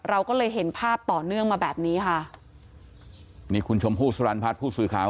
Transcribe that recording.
เราก็เลยเห็นภาพต่อเนื่องมาแบบนี้ค่ะนี่คุณชมพู่สลันพัฒน์ผู้สื่อข่าว